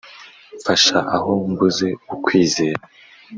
Mfasha aho mbuze ukwizera